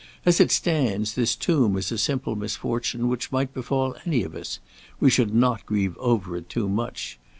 "As it stands, this tomb is a simple misfortune which might befall any of us; we should not grieve over it too much.